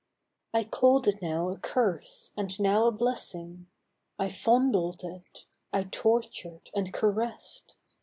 I call'd it now a curse, and now a blessing, I fondled it, I tortured, and caress'd.